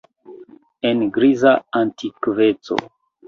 En griza antikveco.